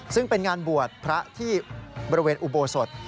ซึ่งเป็นงานบวชพระที่บริเวณอุโบสถ